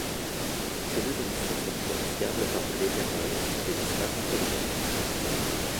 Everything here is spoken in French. Ces deux émissions sont différenciables par de légères variations des espaces entre les chiffres.